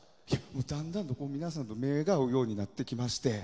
だんだん、皆さんと目が合うようになってきまして。